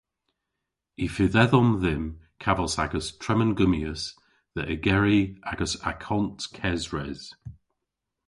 Y fydh edhom dhymm kavos a'gas tremengummyas dhe ygeri agas akont kesres.